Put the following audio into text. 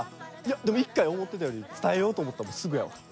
でも１回思ってたより伝えようと思ったのすぐやわ。